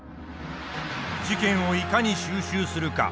事件をいかに収拾するか？